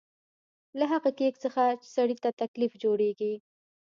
له هغه کېک څخه چې سړي ته تکلیف جوړېږي.